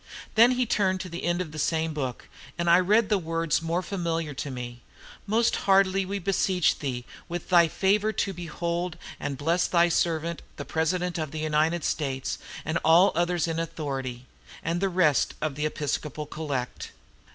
Then he turned to the end of the same book, and I read the words more familiar to me: 'Most heartily we beseech Thee with Thy favor to behold and bless Thy servant, the President of the United States, and all others in authority,' and the rest of the Episcopal collect.